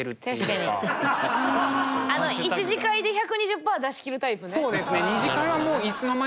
あの１次会で１２０％出し切るタイプね。